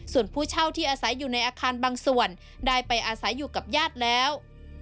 ส่วนผู้เช่าที่อาศัยอยู่ในอาคารบางส่วนได้ไปอาศัยอยู่กับญาติแล้ว